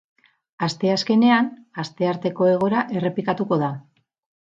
Asteazkenean, astearteko egoera errepikatuko da.